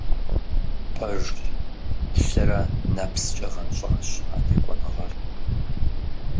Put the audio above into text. Пэжщ, лъырэ нэпскӀэ гъэнщӀащ а текӀуэныгъэр.